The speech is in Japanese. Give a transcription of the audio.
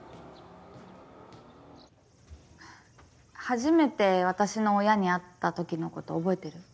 初めて私の親に会ったときのこと覚えてる？